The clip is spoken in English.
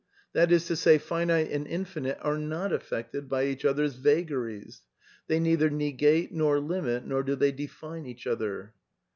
That is to say, finite and infinite are not affected by each other's vagaries. They neither negate nor limit nor do they define each other.